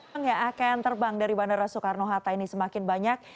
yang akan terbang dari bandara soekarno hatta ini semakin banyak